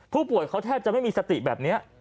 ผู้ป่วยเขาแทบจะไม่มีสติแบบนี้